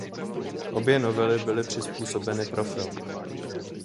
Obě novely byly přizpůsobeny pro film.